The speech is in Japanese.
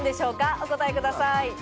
お答えください。